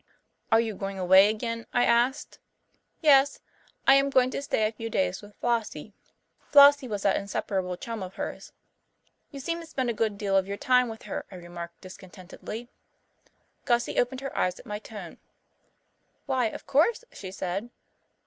"Are you going away again?" I asked. "Yes. I am going to stay a few days with Flossie." Flossie was that inseparable chum of hers. "You seem to spend a good deal of your time with her," I remarked discontentedly. Gussie opened her eyes at my tone. "Why, of course," she said.